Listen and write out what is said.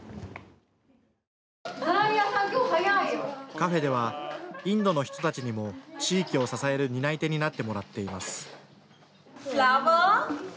カフェではインドの人たちにも地域を支える担い手になってもらっています。